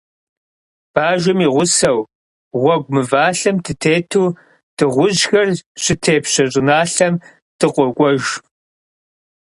Бажэм и гъусэу, гъуэгу мывалъэм дытету, дыгъужьхэр щытепщэ щӀыналъэм дыкъокӀуэж.